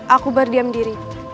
aku berdiam diri